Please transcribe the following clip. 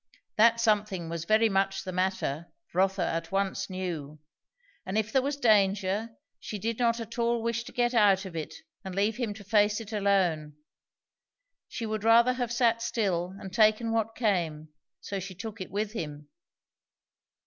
That something was very much the matter, Rotha at once knew; and if there was danger she did not at all wish to get out of it and leave him to face it alone. She would rather have sat still and taken what came, so she took it with him.